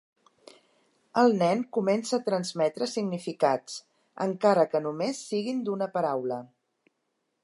El nen comença a transmetre significats, encara que només siguin d'una paraula.